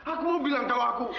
aku mau bilang kalau aku